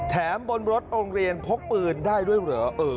บนรถโรงเรียนพกปืนได้ด้วยเหรอ